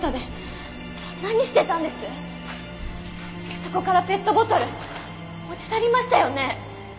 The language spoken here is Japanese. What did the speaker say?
そこからペットボトル持ち去りましたよね？